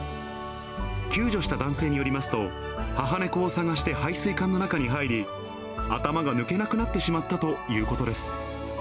救助した男性によりますと、母猫を捜して排水管の中に入り、頭が抜けなくなってしまったということです。